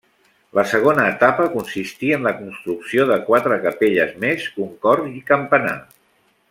La segona etapa consistí en la construcció de quatre capelles més, un cor i campanar.